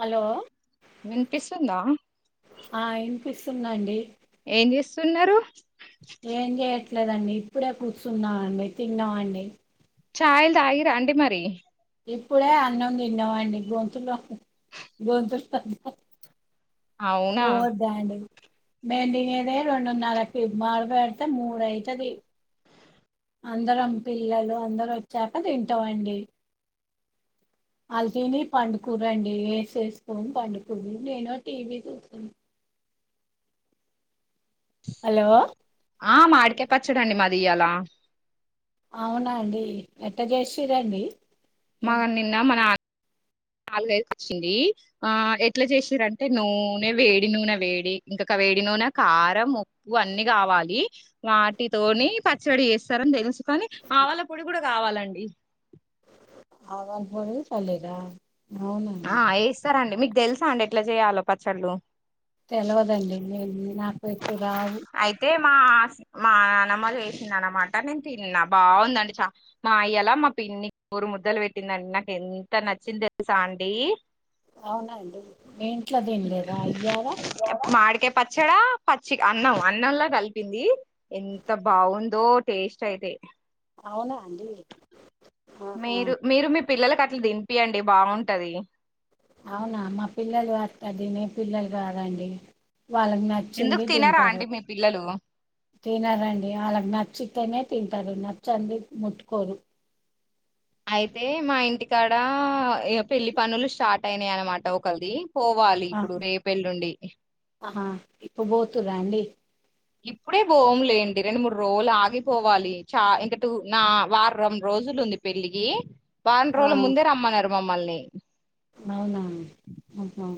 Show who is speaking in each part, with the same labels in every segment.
Speaker 1: Hello
Speaker 2: వినిపిస్తుందా?
Speaker 1: పిస్తుందండి
Speaker 2: ఏం జేస్తున్నరు
Speaker 1: ఏం జేయట్లేదండి ఇప్పుడే కూర్చున్నా అండి, తిన్నామండి.
Speaker 2: చాయిల్ తాగిర్ర అండి మరి?
Speaker 1: ఇప్పుడే అన్నం దిన్నమండి గొంతులొ గొంతులో
Speaker 2: అవునా
Speaker 1: పోవద్దా అండి మేం దినేదే రెండున్నరకి మర బెడితే మూడయితది. అందరం పిల్లలు అందర వచ్చాక తింటామండి
Speaker 2: అ
Speaker 1: అల్ తని పండుకూరండి వేసేసుకోను పండుకూర నేను టీవీ చూసాను హలో
Speaker 2: ఆ మాడికే పచ్చడండి మాది ఇయ్యాల
Speaker 1: అవునాండి ఎట్ట చేసిరండి
Speaker 2: మగ నిన్న మన నాలుగై వచ్చింది ఆ ఎట్లా చేసారంటే నూనె వేడి నూనె వేడి ఇంకక వే చెడి నూనె కారం ఉప్పు అన్ని కావాలి వాటితోని పచ్చడి వస్తారని తెలుసు కానీ ఆవల పొడి కూడా కావాలండి
Speaker 1: ఆవా పోడు చాలలా
Speaker 2: ఆ వేస్తారండి మీకు తెలుసా అండి ఎట్లా చేయాలో పచ్చళ్ళు
Speaker 1: తెలివదండి నేను నాకు ఎక్కు రావు
Speaker 2: అయితే మా మా నానమ్మ చేసిందిన్నమాట నేను తిన్నా బాగుందండి చ మా అయ్యలా మా పిన్ని ఊరు ముద్దలు పెట్టిందండి నాకు ఎంత నచ్చింది తెలుసా అండి
Speaker 1: అవునండి ఇంట్లో దన్లేదా అయ్యారా
Speaker 2: ఒకే పచ్చడా పచ్చి అన్నం అన్నంలా కలిపింది ఎంత బాగుందో టేస్ట్ అయితే
Speaker 1: అవునా అండి ఆహా
Speaker 2: పిల్లలలకు అట్లా దింపియండి బాగుంటది
Speaker 1: అవునా మా పిల్లలు కాదినే పిల్లలు కాదండి వాళ్ళకి
Speaker 2: ఎందుకు
Speaker 1: నచ్చింది
Speaker 2: తినరా
Speaker 1: తింటారు
Speaker 2: అండి మీ పిల్లలు
Speaker 1: తినారండి వాళ్ళకి నచ్చితేనే తింటాడు నచ్చండి ముట్కోరు
Speaker 2: అయితే మా ఇంటికాడ పెళ్ళి పనులు స్టార్ట్ అయినాయి అనమాట ఒకది పోవాలి
Speaker 1: ఆ,
Speaker 2: ఇప్పుడు రేపెల్లిండి
Speaker 1: ఆహా ఇప్పుడు పోతుర్రా అండి
Speaker 2: ఇప్పుడే బోవంలేండి రెండు మూడు రోజులు ఆగిపోవాలి చ ఇంకూ నా వారం రోజు రోజులు ఉంది పెళ్లికి వారం
Speaker 1: ఆ
Speaker 2: రోజుల ముందే రమ్మన్నారు మమ్మల్ని
Speaker 1: అవునా ఆహా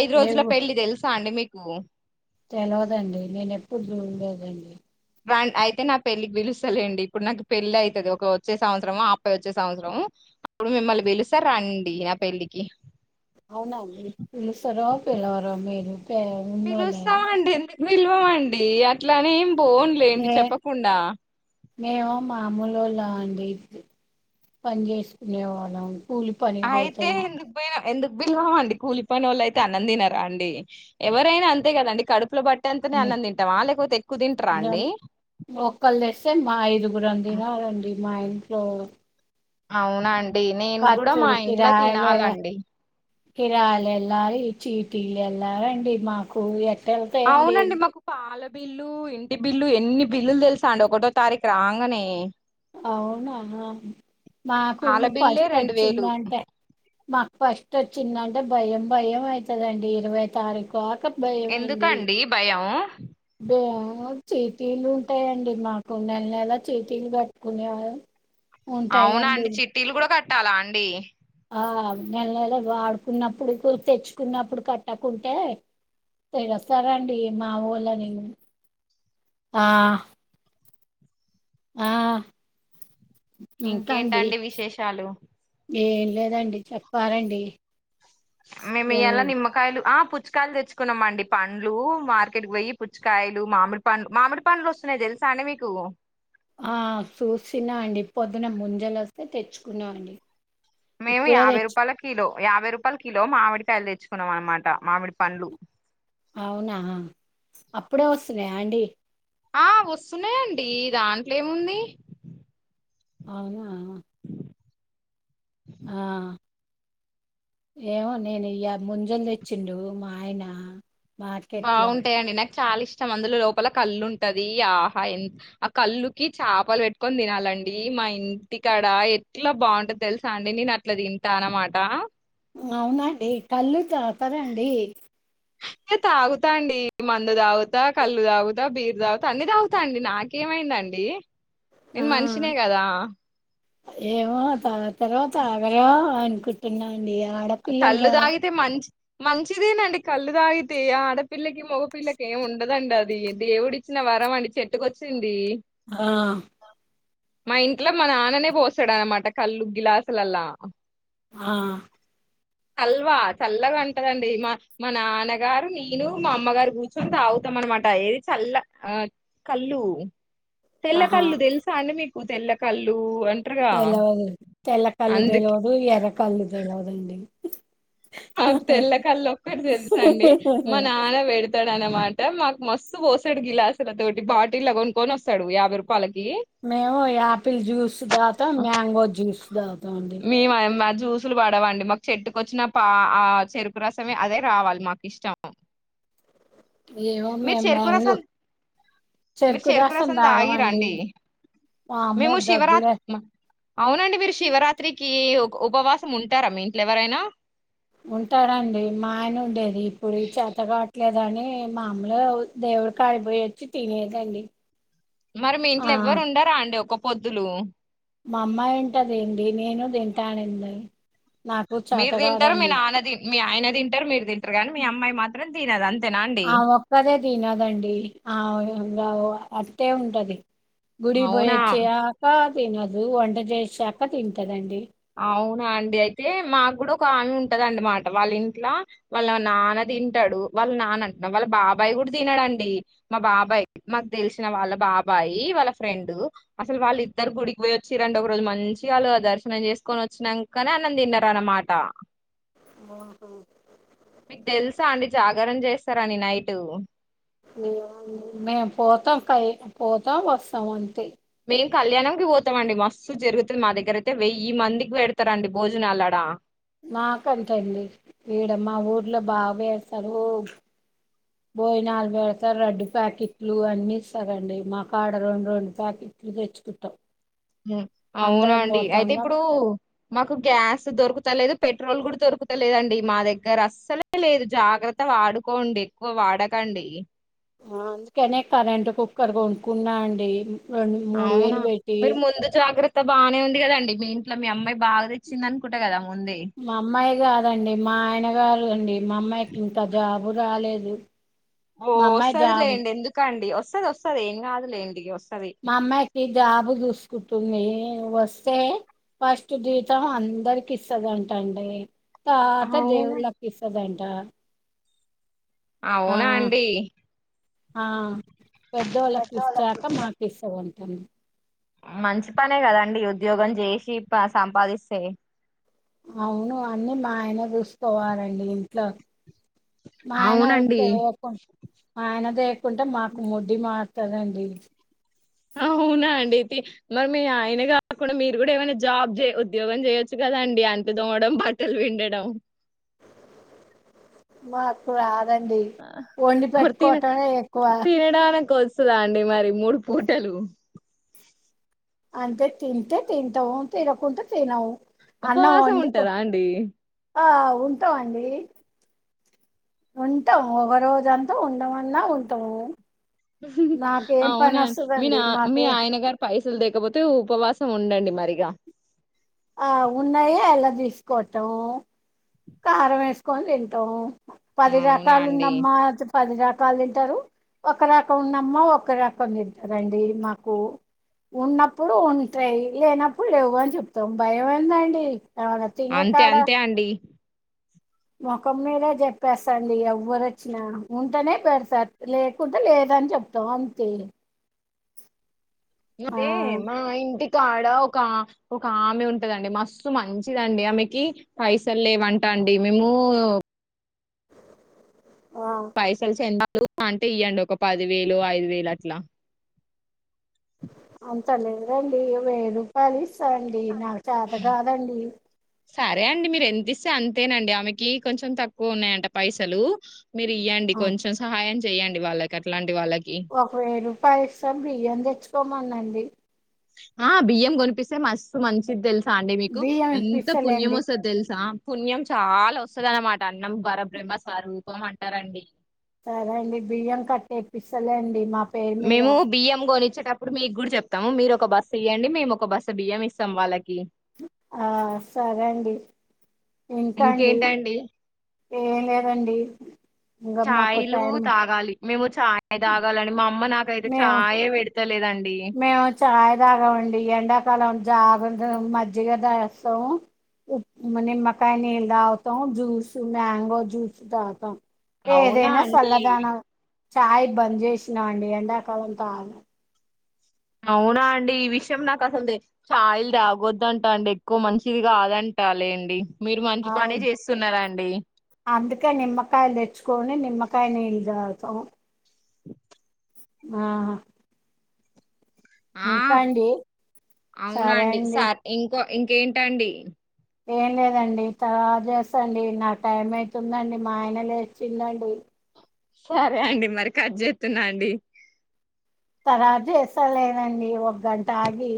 Speaker 2: ఐదు రోజుల పెళ్ళి తెలుసా అండి మీకు
Speaker 1: సలదండి నేన ఎప్పుడు చూడలేదండి
Speaker 2: అయితే నా పెళ్ళికి పిలుస్తాలేండి ఇప్పుడు నాకు పెళ్లి అవుతుది ఒక వచ్చే సంవత్సరము అబ్పయి వచ్చే సంవత్సరము అప్పుడు మిమ్మల్ని వెలుస్తారు రండి నా పెళ్ళికి
Speaker 1: అవునండి పిలుసార పిలవరో మీరు ప ఉండలేండి
Speaker 2: విల్వమండి అట్లానే ఏం బోన్లేండి
Speaker 1: ఏ
Speaker 2: చెప్పకుండా
Speaker 1: అమలులా అండి పని చేసుకునే వాళ్ళం కూలి పని
Speaker 2: ఆయితే
Speaker 1: పోతాం
Speaker 2: ఎందుకు పోయనా ఎందుకు భిల్వాం అండి కూలిపోయిని వాళ్ళు అయితే అన్నం తినారా అండి ఎవరైనా అంతే కదండి కడుపు పప్పుల బట్టటి అంతనే అన్నం తింటావా లేకపోతే ఎక్కువ తంటరా అండి
Speaker 1: ఒకళ్ళ తెస్తే మా ఐదుగురు తిన రండి మా ఇంట్లో
Speaker 2: అవునండి నేను కూడా మా ఇంట్లో తినాలండి
Speaker 1: హిరాల ఎలా చీటీలు ఎలా రండి మాకు ఎట్టెళ్తాయండి
Speaker 2: అవునండి మాకు పాల బిల్లు ఇంటి బిల్లు ఎన్ని బిల్లులు తెలుసా అండి ఒకటో తారీఖు రాగానే
Speaker 1: అవునా మాకు
Speaker 2: పాల బిల్లే
Speaker 1: ఫస్ట్
Speaker 2: రెండు వేలు
Speaker 1: వచ్చిందంటే మాకు ఫస్ట్ వచ్చిందంటే భయం భయం అవుతుందండి ఇరవై తారీకుు అక భయంమండి
Speaker 2: ఎందుకండి భయం
Speaker 1: చేతిలు ఉంటాయండి మాకు నెల నెల చేతలు పెట్టుకునేరు
Speaker 2: అవునా అండి చిట్టీలు కూడా కట్టాలా అండి
Speaker 1: ఆ నెల నెల వాడుకున్నప్పుడు తెచ్చుకున్నప్పుడు కట్టకుంటే తెలుస్తారండి మా ఊళని ఆ ఆ ఇంకా అండి
Speaker 2: ఇంకేంటండి విశేషాలు
Speaker 1: ఏం లేదండి చెప్పాలండి
Speaker 2: మేము
Speaker 1: ఆ
Speaker 2: ఎలా నిమ్కాయలు ఆ పుచ్చుకాయలు తెచ్చుకున్నాంమండి పుచ్చకాయలు తెచ్చుకున్నమండి పండ్లు మార్కెట్కి పోయి పుచ్చుకాయలు మిడి పండ్లు మామిడి పండ్లు వస్తున్నాయి తె తెలుసా అండి మీకు
Speaker 1: ఆ చూసినా అండి పొద్దున ముంజలు వస్తే తెచ్చుకున్నాం అండి
Speaker 2: మేము
Speaker 1: ఇప్పుడే
Speaker 2: యాభై
Speaker 1: తెచ్చు
Speaker 2: రూపాయల కిలో యాభై రూపాయల కిలో మామిడి కాయలు తెచ్చు తెచ్చుకున్నాం అనమాట మామిడి పండ్లు
Speaker 1: అవునా అప్పుడే వస్తున్నా అండి
Speaker 2: ఆ వస్తున్నాయండి దాంట్లో ఏముంది
Speaker 1: అవునా ఆ ఏమో నేను ముంజలు తెచ్చిండు మా ఆయన మార్కెట్ లో
Speaker 2: బాగుంటాయండి నెక్స్ట్ చాలా ఇష్టం అందులో లోపల కళ్ళు ఉంటది ఆహా ఎ ఆ కళ్ళుకి చేపలు పెట్టుకొని తినాలి అండి మా ఇంటికాడ ఎట్లా బాగుంటది తెలుసా అండి నేను అట్లా తింటా అనమాట
Speaker 1: అవునండి కళ్ళు తతారండి
Speaker 2: ఏ తాగుతా అండి మందు తాగుతా కళ్ళు తాగుతా బీరు తాగుతా అన్ని తాగుతాండి నాకేం ఏమైందండి
Speaker 1: ఆ ఏమో త తర్వాత ఆగరా అ కిట్టింద
Speaker 2: కళ్ళు తాగితే మంచి మంచిదేనండి కళ్ళు తాగితే ఆడపిల్కి ముఖపిల్లకి ఏం ఉండదండి అది ది దేవుడిచ్చిన వరం అండి చెట్టుకొచ్చింది
Speaker 1: ఆ
Speaker 2: మా ఇంట్లో మా నాన్ననే పోసాడు అనమాట కళ్ళు గ్లాసులల్లా
Speaker 1: ఆ
Speaker 2: చల్లవా చల్లగా అంటదండి మా మా నాన్నగారు నేను మా అమ్మగారు కూర్చొని తాగుతాం అనమాట ఏది చల్ల ఆ కల్ళు
Speaker 1: ఆహా
Speaker 2: తెలకల్లు తెలుసా అండి మీకు తెలకల్లు అ
Speaker 1: తెలవదు తెల్ల తెలకల్లు తెలివదు ఎర్రకల్లు తెలదుండి
Speaker 2: ఆ తెల్ల కళ్ళు ఒక్కటి తెలుసండి మా నాన్న పెడి వస్తాడు అనమాట మాకు మస్తు పోసాడు గిలాసులు అతోటి బాటి లా కొనుక్కొని వస్తాడు యాభై రూపాయలకి
Speaker 1: మేము యాపిల్ జ్యూస్ దాతాం మ్యాంగో జ్యూస్ దాగుతాం అండి
Speaker 2: మేము ఆ- మా జ్యూసులు పడవండి మాకు చెట్టుకొచ్చిన పా ఆ చెరుకు రసమే అదే రావాలి మాకు ఇష్టం
Speaker 1: ఏమో
Speaker 2: మీరు
Speaker 1: మేము మ్యాంగో
Speaker 2: చెరుకుూరుసలు మీరు
Speaker 1: చెరుకు రసం
Speaker 2: చెరుకురసంద
Speaker 1: తాగమండి
Speaker 2: ఆగిరాండి
Speaker 1: వామ్మో
Speaker 2: మేము
Speaker 1: దగ్గులే
Speaker 2: శివరాత్రి అవునండి మీరు శివరాత్రికి ఉపవాసం ఉంటారా మీ ఇంట్లో ఎవరైనా
Speaker 1: ఉంటారండి మాయన ఉండేది ఇప్పుడు ఈ చేతగాట్లు లేదని మామూలు దేవుడి కాడిపోయ వచ్చి తినేదండి
Speaker 2: మరి మీ
Speaker 1: ఆ
Speaker 2: ఇంట్లో ఎవ్వరు ఉండారా అండి ఒక పొద్దులు
Speaker 1: మా అమ్మాయి ఉంటద ఏంటి నేను తింటానుంది
Speaker 2: మీరు తింటారు మీ నాన్ని మీ ఆయన తింటారు మీరు తింటారు కానీ మీ అమ్మాయి మాత్రం తినదు అంతే
Speaker 1: ఆ ఒక్కదే తినదండి ఆ ఇకా అట్టే ఉంటది గుడి
Speaker 2: అవునా
Speaker 1: పోయచ్చాక తినదు వంట చేసాక తింటదండి
Speaker 2: అవునా అండి అయితే మాకు కూడా ఒక ఆమె ఉంటదం మామాట వాళ్ళ ఇంట్లో వాళ్ళ నాన్న తింటాడు వాళ్ళ నాన అంటున్నా వాళ్ళ బాబాయ్ కూడా తినడండి మా బాబాయ్ మాకు తెలిసిన వాళ్ళ బాబా బాబాయి వాళ్ళ ఫ్రెండూ అసలు వాళ్ళిద్దరు గుడికి పోయిచ్చిరంట ఒక రోజు మంచిగ వాళ్ళు దర్శనం చేస్ కొని వచ్చినాకనే అన్నం తిన్నరన్నమాట
Speaker 1: ఉహ్
Speaker 2: తెలుసా అండి జాగారం చేస్తారని నైట్
Speaker 1: మేము పోతాం కై పోతాం వస్తాం అంతే
Speaker 2: మేం కళ్యాణం కి పోతమండి మస్తు జరుగుతుంది మా దగ్గర అయితే వెయ్యి మందికి పెడతరండి భోజనాలాడ
Speaker 1: మాకు అంతే అండి ఈడ మా ఊర్లో బాగు వేస్తారు బోయి నాలుగు పెడతార రడ్డు ప్యాకెట్లు అన్ని ఇస్తారండి మాకాడ రెండు రెండు ప్యాకెట్ దితెచ్చుకుంటాం
Speaker 2: మ్మ్ అవునండి అయితే ఇప్పుడూ మాకు గ్యాస్ దొరుకుతలేదు పెట్రోల్ కూడ దొరుకుతలేదండి మా దగ్గర అస్సలే లేదు జాగ్రత్త వాడుకోండి ఎక్కువ వాడక కండి
Speaker 1: ఆ అందుకనే కరెంట్ కుక్కర్ కొనుక్కున్నా అండి రెండు మూడు
Speaker 2: అవునా
Speaker 1: వేలు పెట్టి
Speaker 2: మీరు ముందు జాగ్రత్ త బానే ఉంది కదండి మీ ఇంట్లో మీ అమ్మాయి బాగ తెచ్చింది అనుకుంట కదా ముందే
Speaker 1: మా అమ్మాయి కాదండి మా ఆయన గారు అండి మా అమ్మాయికి ఇంకా జాబ్ బూ రాలేదు
Speaker 2: ఓ
Speaker 1: మా అమ్మాయి
Speaker 2: వస్తది
Speaker 1: జాబు
Speaker 2: లేండి ఎందుకండి వస్తది వస్తది ఏం కాదు లేండి వస్
Speaker 1: మా అమ్మాయికి జాబు చూసుకుంటుంది వస్తే ఫస్ట్ జీతం అందరికి ఇస్తదంట అండి తావతా
Speaker 2: అవునా
Speaker 1: దేవుళ్ళకి ఇస్తదంట ఆ
Speaker 2: అవునా అండి
Speaker 1: ఆ పెద్దోళ్ళకి
Speaker 2: పెద్దోళ్ళ
Speaker 1: ఇస్త్యాక మాకిస్తదంట అండి
Speaker 2: మంచి పనే కదండి ఉద్యోగం జేసి పా సంపాదిస్తే
Speaker 1: అవును అన్నీ మా ఆయన చూసుకోవాలండి ఇంట్లో
Speaker 2: అవునండి
Speaker 1: మాఆయనైతే కొ మాయనదే కుంటే మాకు ముడ్డి మారుతదండి
Speaker 2: ఆహు అవునా అండి అతే మరి మీ ఆయన కాకుండ మీరు కూడ ఏమైన జాబ్ చే ఉద్యోగం చేయొచ్చు కదా అండి లు తోమడం బట్టలు పిండడం
Speaker 1: మాకు రాదండి వండి
Speaker 2: మరి
Speaker 1: పెట్టుకోవటమే ఎక్కువ
Speaker 2: వస్తుదా అండి మరి మూడు పూటలు
Speaker 1: అంతే తింటే తింటాము తినకుంటె తినము అన్నం
Speaker 2: ఉపవాసం
Speaker 1: వండి
Speaker 2: ఉంటారా అండి
Speaker 1: ఆ ఉంటామండి ఉంటాం ఒకరోజంత ఉండమన్నా ఉంటము
Speaker 2: హ్మ్ హ్ అవునా మీ నా మీ
Speaker 1: మాకే
Speaker 2: ఆయన గారు పైస్ లు తేకపోతే ఉపవాసం ఉండండి మరి ఇగా
Speaker 1: ఆ ఉన్నాయి అలా తీసుకోటం కారం వేసుకొని తింటాం పది
Speaker 2: అవునా
Speaker 1: రకాలు
Speaker 2: అండి
Speaker 1: నమ్మ అది పదిరక్ కాలు తింటారు ఒక రకం ఉన్నమ్మా ఒక రకం తింటారండి మాకు ఉన్నప్పుడు ఉంటాయి లేనప్పుడు లేవు అని చెప్తాం భయం ఎందండి అవున
Speaker 2: అంతే
Speaker 1: తినేకాడా
Speaker 2: అంతే అండి
Speaker 1: ముఖం మీదే చెప్పేస్తండి ఎవ్వరోచ్చినా ఉంటనే పెడతారు లేకుంటే లేదు అని చెప్తాము అంతే ఆ
Speaker 2: ఐతే మా ఇంటి ఆడ ఒక ఒక ఆమె ఉంటదండి మస్స్తు మంచిదండి ఆమెకి పైసలు లేవంట అండి మేము
Speaker 1: ఆ
Speaker 2: పైసలు చందాలు అంటే ఇయ్యండి ఒక పది వేలు ఐదు వేలు అట్లా
Speaker 1: అంతలేదండీ వెయ్యి రూ ఫలిస్తాండి నాకు చేత కాదండి
Speaker 2: సరే అండి మీరు ఎంత ఇస్తే అంతేనండి ఆమెకి కొంచెం తక్కువ ఉన్నాయంట పైసలు మీరు ఇయ్యండి
Speaker 1: ఆ,
Speaker 2: కొంచెం సహాయం చేయండి వాళ్ళకి అట్లాంటి వాళ్ళకి
Speaker 1: ఒక వెయ్యి రూపాయలు ఇస్తాను బియ్యం తెచ్చుకోమందండి
Speaker 2: ఆ బియ్యం కొనిపిస్తే మస్సు మంచిది తెల్ సాండి మీకు
Speaker 1: బియ్యం
Speaker 2: ఎంత పుణ్యం
Speaker 1: ఇప్పిస్తలేండి
Speaker 2: వస్తుందో తెలుసా పుణ్యం చాలా వస్తు వస్తదన్నమాట అన్నం పరబ్రహ్మ స్వరూపం అంటారండి
Speaker 1: సరే అండి బియ్యం కట్టేపిస్తలేండి మాక్
Speaker 2: మేము బియ్యం గొనిచ్ టప్పుడు మీకు కూడా చెప్తాము మీరు ఒక బస్సు ఇయ్యండి మేము ఒక బస్స బియ్యం ఇస్తాం వాళ్ళకి
Speaker 1: ఆ సరే అండీ
Speaker 2: ఇంకేంటండి
Speaker 1: ఏం లేదండి ఇంకా మాకు
Speaker 2: చాయ్లు
Speaker 1: టైం
Speaker 2: తాగాలి మేము చాయ్ తాగాలని మా అమ్మ నాకైతే
Speaker 1: మేము
Speaker 2: చాయే పెడ్
Speaker 1: మేము చాయ్ దాగమండి ఎండాకాలం జాగుటనం మజిగ దాగస్తం ఉ మ నిమకాయ నీళ్ళు తాగుతాం జ్యూస్ మ్యాంగో జ్యూస్ తాగుతాం
Speaker 2: అవునా
Speaker 1: ఏదేనా
Speaker 2: అండి
Speaker 1: సలదనం చాయ్ బంద్ చేసినా అండి ఎండాకాలం తాను
Speaker 2: అవునా అండి ఈ విషయం నాకు అసలు తె ఛాయిలు తాగొద్దంటా అండి ఎక్కువ మంచిది కాదం ట లేండి మీరు మంచి పనే
Speaker 1: అవును
Speaker 2: చేస్తున్నారా అండి
Speaker 1: అందుకే నిమ్మకాయలు తెచ్చుకొని నిమ్మకాయ నీళ్ళు తాగుతాం ఆహ
Speaker 2: ఆ
Speaker 1: సరే
Speaker 2: అవునండి
Speaker 1: అండి
Speaker 2: సార్ ఇంక ఇంకేంటండి
Speaker 1: ఏం
Speaker 2: [inaudible]
Speaker 1: లేదండి తవా చేస్తాండి నా టైం అయితుందండి మా ఆయన లేచిండండి
Speaker 2: సరే అండి మరి కట్ చేతున్నా అండి
Speaker 1: తరాత చేస్తాలేదండి ఒక గంట ఆగి